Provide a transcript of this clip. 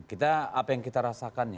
kita apa yang kita rasakannya